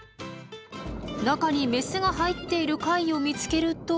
中にメスが入っている貝を見つけると。